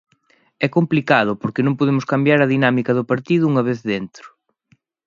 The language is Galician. É complicado porque non podemos cambiar a dinámica do partido unha vez dentro.